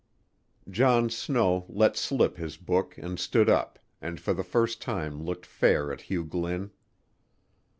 John Snow let slip his book and stood up, and for the first time looked fair at Hugh Glynn.